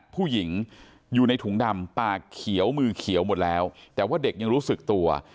ผู้หญิงอยู่ในถุงดำปากเขียวมือเขียวหมดแล้วแต่ว่าเด็กยังรู้สึกตัว